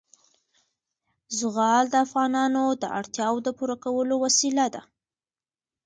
زغال د افغانانو د اړتیاوو د پوره کولو وسیله ده.